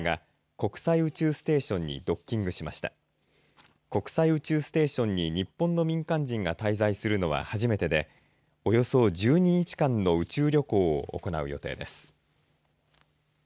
国際宇宙ステーションに日本の民間人が滞在するのは初めてでおよそ１２日間の宇宙旅行を行う予定です。